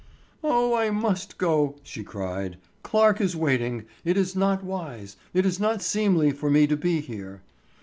"Oh, I must go," she cried. "Clarke is waiting; it is not wise; it is not seemly for me to be here."